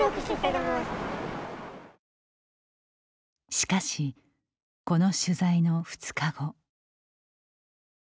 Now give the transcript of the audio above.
しかし、この取材の２日後。